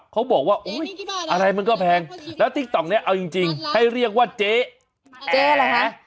เขาบอกว่าอะไรมันก็แพงแล้วติ๊กต๊อกเนี่ยเอาจริงให้เรียกว่าเจ๊เจ๊อะไรฮะ